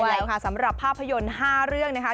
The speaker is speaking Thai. แล้วค่ะสำหรับภาพยนตร์๕เรื่องนะคะ